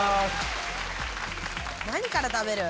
何から食べる？